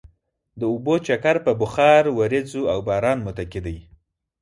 د اوبو چکر په بخار، ورېځو او باران متکي دی.